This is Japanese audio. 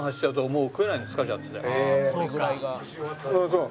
そう。